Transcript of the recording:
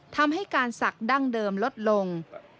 ทำให้การศักดิ์ดั้งเดิมลดลง